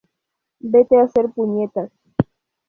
Vete a hacer puñetas